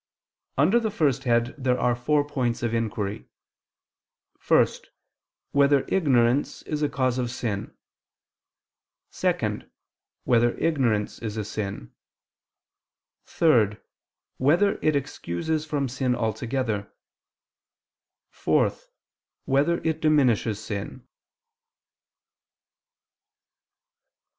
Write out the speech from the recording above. Under the first head, there are four points of inquiry: (1) Whether ignorance is a cause of sin? (2) Whether ignorance is a sin? (3) Whether it excuses from sin altogether? (4) Whether it diminishes sin?